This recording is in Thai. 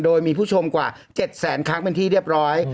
โดยมีผู้ชมกว่า๗แสนครั้งเป็นที่เรียบร้อย